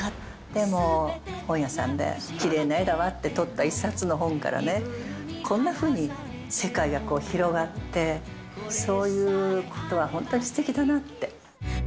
でも本屋さんで、きれいな絵だわと思って取った一冊の本からね、こんなふうに世界が広がって、そういうことは本当にすてきだなって。